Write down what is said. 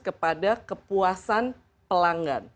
kepada kepuasan pelanggan